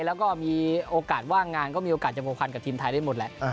แล้วก็มีโอกาสว่างงานก็มีโอกาสจะผัวพันกับทีมไทยได้หมดแหละ